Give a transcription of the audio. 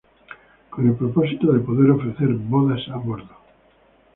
Con el propósito de poder ofrecer bodas a bordo.